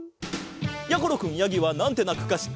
やころくんやぎはなんてなくかしってるかい？